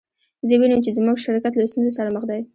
زه وینم چې زموږ شرکت له ستونزو سره مخ دی